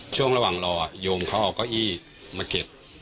ช่วงระหว่างรอยมเขาเอาเก้าอี้มาเก็บ